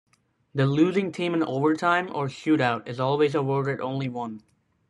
The losing team in overtime or shootout is awarded only one.